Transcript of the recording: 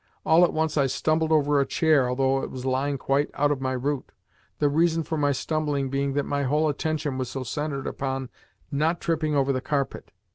All at once I stumbled over a chair, although it was lying quite out of my route: the reason for my stumbling being that my whole attention was centred upon not tripping over the carpet.